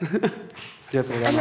ありがとうございます。